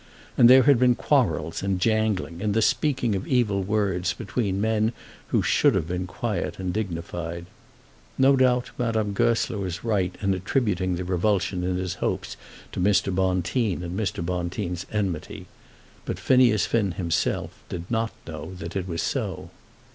And there had been quarrels and jangling, and the speaking of evil words between men who should have been quiet and dignified. No doubt Madame Goesler was right in attributing the revulsion in his hopes to Mr. Bonteen and Mr. Bonteen's enmity; but Phineas Finn himself did not know that it was so.